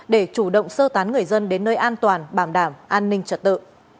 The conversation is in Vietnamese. để chủ động sơ tán người dân đến nơi an toàn bảo đảm an ninh trật tự